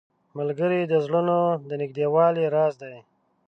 ملګری د زړونو د نږدېوالي راز دی